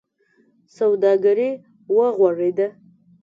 سوداګري و غوړېده.